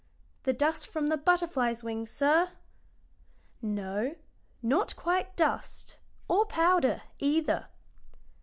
"The dust from the butterfly's wings, sir." "No, not quite dust, or powder, either.